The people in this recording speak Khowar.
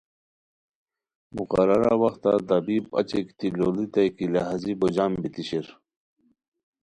مقررہ وختہ طبیب اچی گیتی لوڑیتائے کی لہازی بوجم بیتی شیر